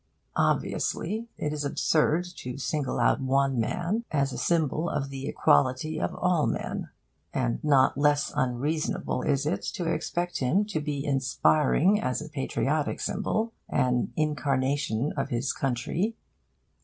Obviously, it is absurd to single out one man as a symbol of the equality of all men. And not less unreasonable is it to expect him to be inspiring as a patriotic symbol, an incarnation of his country.